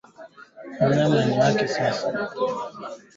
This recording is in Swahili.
Mnyama mwenye dalili za kichaa hutokwa mate hovyo